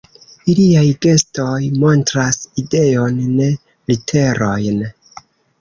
Iliaj gestoj montras ideon, ne literojn.